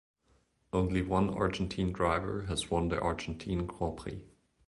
Only one Argentine driver has won the Argentine Grand Prix.